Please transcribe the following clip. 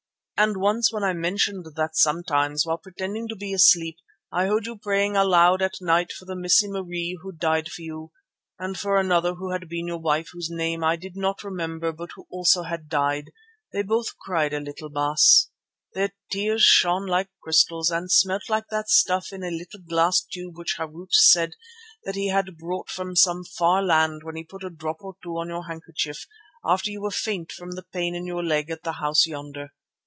And once, when I mentioned that sometimes, while pretending to be asleep, I had heard you praying aloud at night for the Missie Marie who died for you, and for another who had been your wife whose name I did not remember but who had also died, they both cried a little, Baas. Their tears shone like crystals and smelt like that stuff in a little glass tube which Harût said that he brought from some far land when he put a drop or two on your handkerchief, after you were faint from the pain in your leg at the house yonder.